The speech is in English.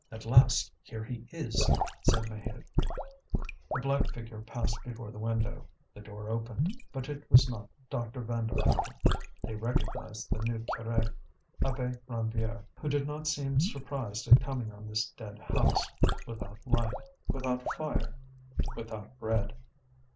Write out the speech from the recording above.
"At last! here he is!" said Maheude. A black figure passed before the window. The door opened. But it was not Dr. Vanderhaghen; they recognized the new curé, Abbé Ranvier, who did not seem surprised at coming on this dead house, without light, without fire, without bread.